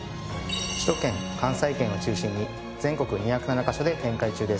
首都圏関西圏を中心に全国２０７カ所で展開中です。